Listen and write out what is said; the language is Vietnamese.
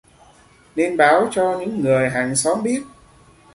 Nên báo cho những người hàng xóm biết